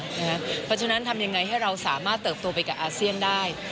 เพราะฉะนั้นทำยังไงให้เราสามารถเติบโตไปกับอาเซียนได้